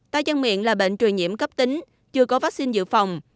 tay chân miệng là bệnh truyền nhiễm cấp tính chưa có vaccine dự phòng